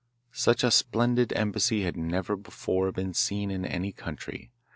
Such a splendid embassy had never before been seen in any country.